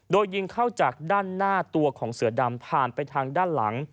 โดยยิงเข้าจากด้านหน้าตัวของเสือดำผ่านไปทางด้านหลัง